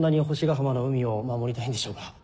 浜の海を守りたいんでしょうか？